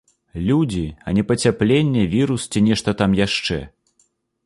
Людзі, а не пацяпленне, вірус ці нешта там яшчэ.